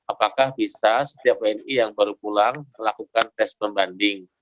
apakah bisa setiap wni yang baru pulang melakukan tes pembanding